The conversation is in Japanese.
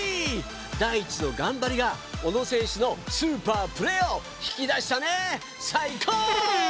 ダイチのがんばりが小野選手のスーパープレーを引き出したね！